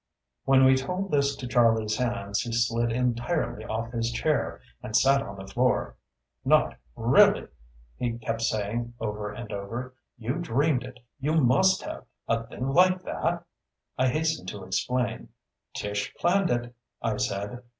When we told this to Charlie Sands he slid entirely off his chair and sat on the floor. "Not really!" he kept saying over and over. "You dreamed it! You must have! A thing like that!" I hastened to explain. "Tish planned it," I said.